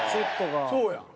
そうやん。